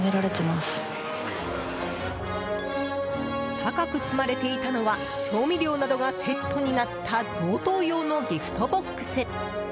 高く積まれていたのは調味料などがセットになった贈答用のギフトボックス。